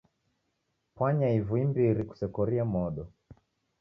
Pwanya ivu imbiri kusekorie modo.